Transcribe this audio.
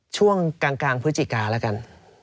ช่วงกลางพฤศจิกาแล้วกัน